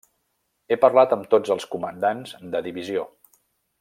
He parlat amb tots els comandants de divisió.